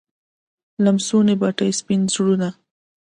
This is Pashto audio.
لمسوي بتې سپین وزرونه